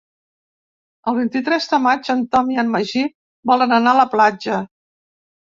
El vint-i-tres de maig en Tom i en Magí volen anar a la platja.